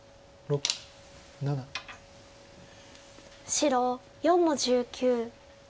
白４の十九。